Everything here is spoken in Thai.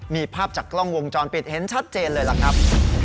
มีภาพจากกล้องวงจรปิดเห็นชัดเจนเลยล่ะครับ